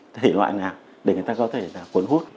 thể loại nào để người ta có thể là cuốn hút